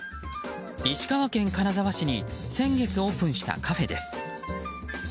石川県金沢市に先月オープンしたカフェです。